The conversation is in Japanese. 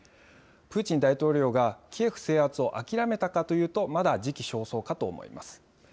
プーチン大統領がキエフ制圧を諦めたかというと、まだ時期尚早かと思います。